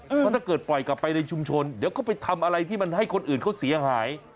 เพราะถ้าเกิดปล่อยกลับไปในชุมชนเดี๋ยวก็ไปทำอะไรที่มันให้คนอื่นเขาเสียหาย